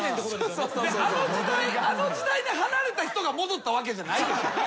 あの時代に離れた人が戻ったわけじゃないでしょ。